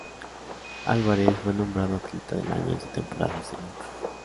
Álvarez fue nombrado Atleta del Año en su temporada senior.